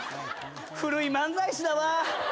古い漫才師だわ。